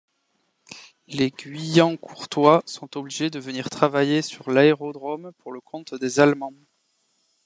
Les Guyancourtois sont obligés de venir travailler sur l'aérodrome pour le compte des Allemands.